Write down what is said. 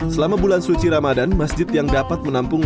selama bulan suci ramadan masjid yang dapat menampung